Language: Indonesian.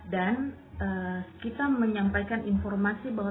dan kita menyampaikan informasi bahwa